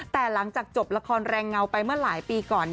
แต่หลังจากจบละครแรงเงาไปเมื่อหลายปีก่อน